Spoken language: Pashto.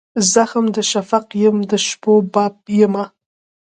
زخم د شفق یم د شپو باب یمه